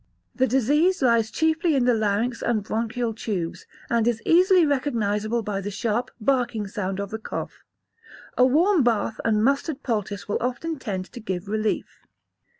The disease lies chiefly in the larynx and bronchial tubes, and is easily recognisable by the sharp, barking sound of the cough. A warm bath and mustard poultice will often tend to give relief.